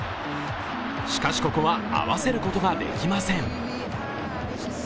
しかし、ここは合わせることができません。